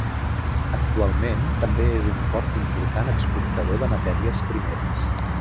Actualment també és un port important exportador de matèries primeres.